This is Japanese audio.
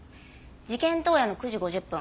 事件当夜の９時５０分